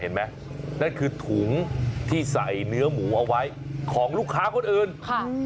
นั่นคือถุงที่ใส่เนื้อหมูเอาไว้ของลูกค้าคนอื่น